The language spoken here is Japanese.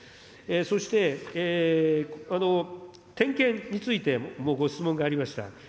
そして、点検についてもご質問がありました。